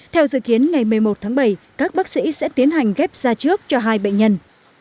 theo dự kiến ngày một mươi một tháng bảy các bác sĩ sẽ tiến hành ghép ra trước cho hai bệnh nhân